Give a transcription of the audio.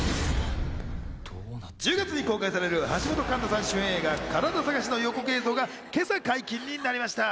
１０月に公開される橋本環奈さん主演映画『カラダ探し』の予告映像が今朝解禁になりました。